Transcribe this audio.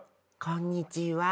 こんにちは。